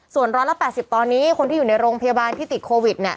ส่วน๑๘๐ตอนนี้คนที่อยู่ในโรงพยาบาลที่ติดโควิด